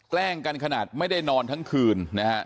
แกล้งกันขนาดไม่ได้นอนทั้งคืนนะฮะ